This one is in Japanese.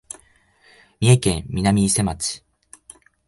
三重県南伊勢町